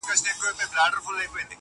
خلک ډېر وه تر درباره رسېدلي-